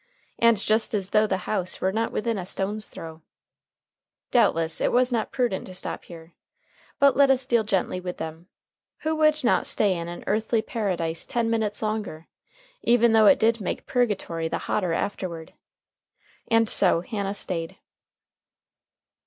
And just as though the house were not within a stone's throw! Doubtless it was not prudent to stop here. But let us deal gently with them. Who would not stay in an earthy paradise ten minutes longer, even though it did make purgatory the hotter afterward? And so Hannah stayed.